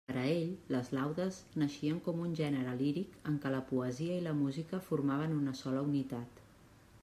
Per a ell les laudes naixien com un gènere líric en què la poesia i la música formaven una sola unitat.